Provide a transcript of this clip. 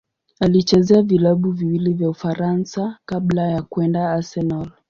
Alichezea vilabu viwili vya Ufaransa kabla ya kwenda Arsenal.